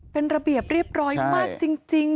เป็นระเบียบเรียบร้อยมากจริง